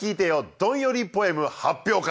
どんよりポエム発表会。